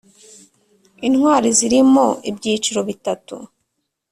Intwali zirimo ibyiciro bitatu